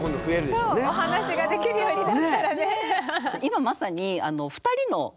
お話ができるようになったらね。